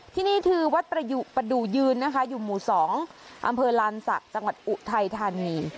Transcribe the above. ที่นี่คือวัดประดูยืนอยู่หมู่๒อำเภอลานสะจังหวัดอุไทยธานี